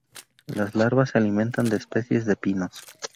Las larvas se alimentan de especies de pinos.